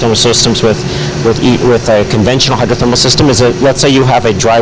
dengan sistem hidratermanya konvensional misalnya ada peraturan panas bumi